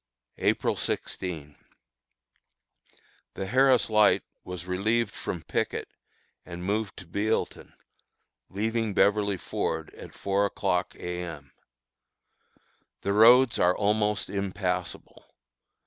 April 16. The Harris Light was relieved from picket, and moved to Bealeton, leaving Beverly Ford at four o'clock A. M. The roads are almost impassable.